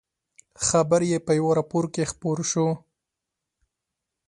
خبر یې په یوه راپور کې خپور شو.